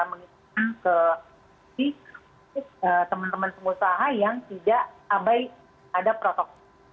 mengisikan ke teman teman pengusaha yang tidak abai ada protokol